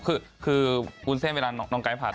คือวุ้นเส้นเวลาน้องไกด์ผัด